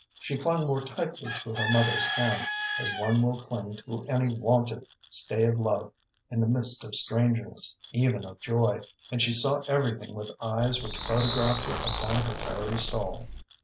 She clung more tightly to her mother's hand, as one will cling to any wonted stay of love in the midst of strangeness, even of joy, and she saw everything with eyes which photographed it upon her very soul.